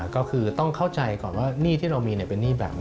ก็คือต้องเข้าใจก่อนว่าหนี้ที่เรามีเป็นหนี้แบบไหน